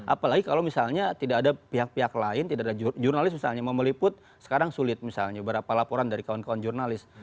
apalagi kalau misalnya tidak ada pihak pihak lain tidak ada jurnalis misalnya mau meliput sekarang sulit misalnya beberapa laporan dari kawan kawan jurnalis